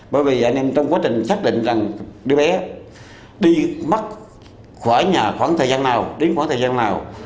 bởi vì anh em trong quá trình xác định rằng đứa bé đi mất khỏi nhà khoảng thời gian nào đến khoảng thời gian nào